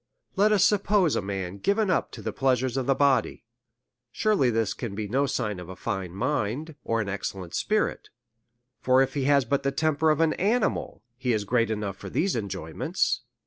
Let us suppose a man given up to the pleasures of the body ; surely this can be no sig'n of a fine mind, or an excellent spi rit : For if he has but the temper of an animal, he is great enough for these enjoyments.